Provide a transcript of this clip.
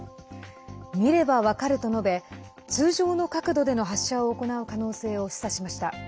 見れば分かると述べ通常の角度での発射を行う可能性を示唆しました。